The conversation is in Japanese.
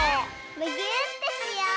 むぎゅーってしよう！